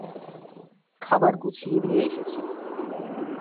খাবার গুছিয়ে দিয়ে এসেছি।